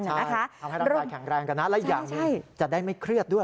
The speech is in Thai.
ใช่ทำให้ร่างกายแข็งแรงกันนะและอีกอย่างหนึ่งจะได้ไม่เครียดด้วย